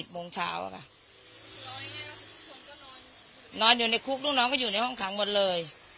โมงเช้าอะค่ะนอนอยู่ในคุกลูกน้องก็อยู่ในห้องขังหมดเลย